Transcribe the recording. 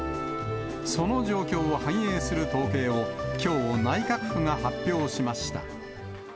その状況を反映する統計を、きょう、内閣府が発表しました。